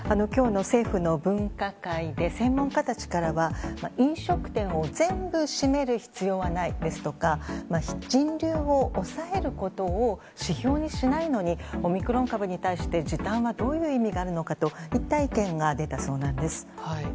今日の政府の分科会で専門家たちからは飲食店を全部閉める必要はないですとか人流を抑えることを指標にしないのにオミクロン株に対して、時短はどういう意味があるのかといった意見が出たそうなんです。